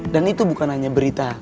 dan itu bukan hanya berita